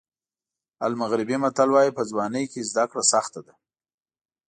المغربي متل وایي په ځوانۍ کې زده کړه سخته ده.